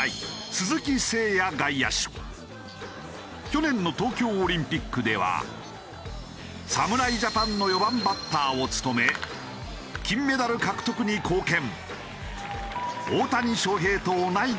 去年の東京オリンピックでは侍ジャパンの４番バッターを務め金メダル獲得に貢献。